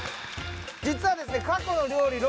実はですね